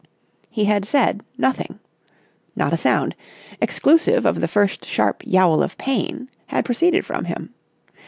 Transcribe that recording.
He had said nothing. Not a sound, exclusive of the first sharp yowl of pain, had proceeded from him.